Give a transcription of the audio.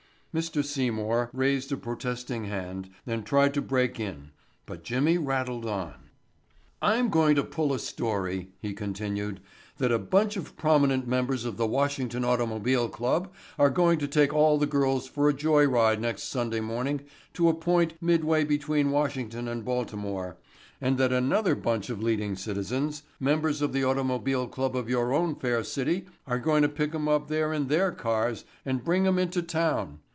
Mr. Seymour raised a protesting hand and tried to break in, but Jimmy rattled on. "I'm going to pull a story," he continued, "that a bunch of prominent members of the Washington Automobile Club are going to take all the girls for a joy ride next Sunday morning to a point midway between Washington and Baltimore and that another bunch of leading citizens—members of the automobile club of your own fair city are going to pick 'em up there in their cars and bring 'em into town.